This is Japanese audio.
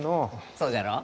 そうじゃろう？